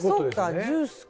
ジュースか。